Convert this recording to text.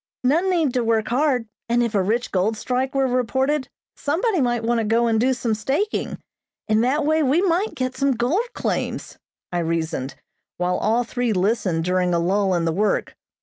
None need to work hard, and if a rich gold strike were reported, somebody might want to go and do some staking. In that way we might get some gold claims," I reasoned, while all three listened during a lull in the work.